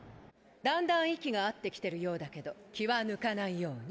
だんだん息が合ってきてるようだけど気は抜かないように。